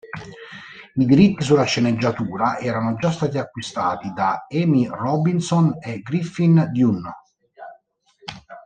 I diritti sulla sceneggiatura erano già stati acquistati da Amy Robinson e Griffin Dunne.